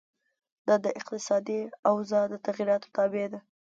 دا د اقتصادي اوضاع د تغیراتو تابع ده.